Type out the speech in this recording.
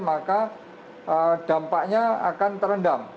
maka dampaknya akan terendam